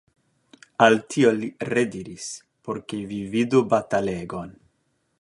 Al tio li rediris, por ke vi vidu batalegon.